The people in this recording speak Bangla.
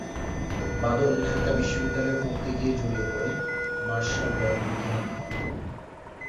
বাদল ঢাকা বিশ্ববিদ্যালয়ে পড়তে গিয়ে জড়িয়ে পড়ে মার্শাল’ল বিরোধী আন্দোলনে।